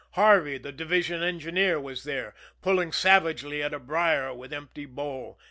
Harvey, the division engineer, was there, pulling savagely at a brier with empty bowl.